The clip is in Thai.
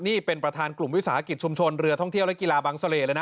นี่เป็นประธานกลุ่มวิสาหกิจชุมชนเรือท่องเที่ยวและกีฬาบังเสล่เลยนะ